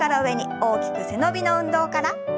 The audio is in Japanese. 大きく背伸びの運動から。